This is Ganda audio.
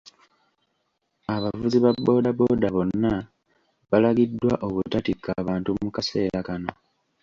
Abavuzi ba bodaboda bonna balagiddwa obutatikka bantu mu kaseera kano.